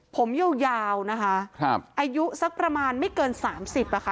ผมยาวนะคะครับอายุสักประมาณไม่เกิน๓๐อะค่ะ